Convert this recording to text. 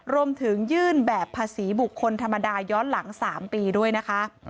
รวมถึงยื่นแบบภาษีบุคคลธรรมดาย้อนหลัง๓ปีด้วยนะคะ